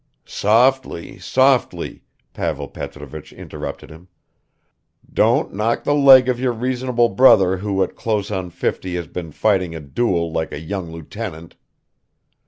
"Softly, softly," Pavel Petrovich interrupted him. "Don't knock the leg of your reasonable brother who at close on fifty has been fighting a duel like a young lieutenant.